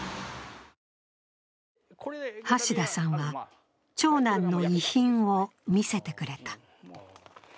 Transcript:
橋田さんは、長男の遺品を見せてくれた。